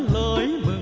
quán người thô quang